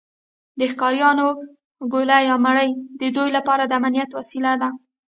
د ښکاریانو ګوله یا مړۍ د دوی لپاره د امنیت وسیله وه.